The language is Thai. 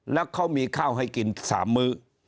แล้วเขามีข้าวให้กิน๓มื้อ